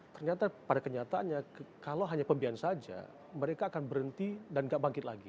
ternyata pada kenyataannya kalau hanya pembiayaan saja mereka akan berhenti dan gak bangkit lagi